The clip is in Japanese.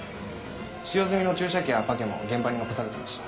使用済みの注射器やパケも現場に残されてました。